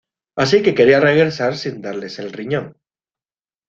Así que quería regresar sin darles el riñón.